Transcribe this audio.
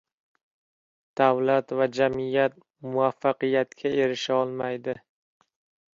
davlat va jamiyat muvaffaqiyatga erisha olmaydi.